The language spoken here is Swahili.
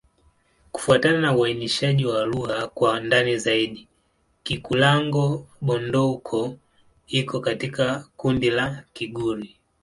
Kufuatana na uainishaji wa lugha kwa ndani zaidi, Kikulango-Bondoukou iko katika kundi la Kigur.